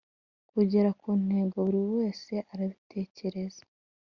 Kugera ku ntego buri wese arabitekereza